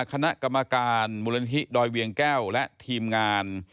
คณะกรรมการมูลนิธิดอยเวียงแก้วและทีมงาน